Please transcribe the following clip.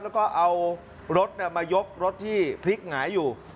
แล้วก็เอารถมายกรถที่พลิกหงายอยู่